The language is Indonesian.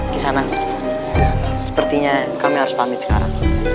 kisana sepertinya kami harus pamit sekarang